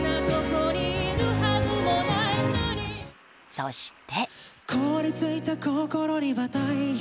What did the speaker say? そして。